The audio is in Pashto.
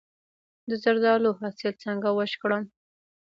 د زردالو حاصل څنګه وچ کړم؟